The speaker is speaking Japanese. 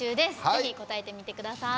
ぜひ答えてみてください。